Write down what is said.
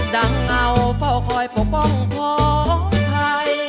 ดังเงาเฝ้าคอยปกป้องของไทย